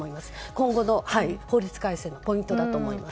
今後の法律改正のポイントだと思います。